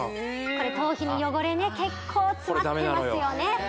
これ頭皮に汚れね結構つまってますよね